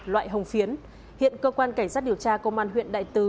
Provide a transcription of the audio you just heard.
loại hồng phiến hiện cơ quan cảnh sát điều tra công an huyện đại từ